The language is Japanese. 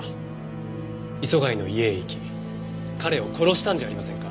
磯貝の家へ行き彼を殺したんじゃありませんか？